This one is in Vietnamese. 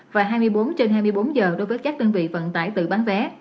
và hai mươi bốn trên hai mươi bốn giờ đối với các đơn vị vận tải tự bán vé